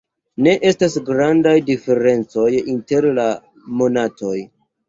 Ne estas grandaj diferencoj inter la monatoj.